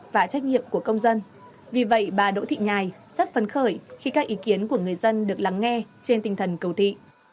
và tạo điều kiện cho chúng tôi được tham gia góp ý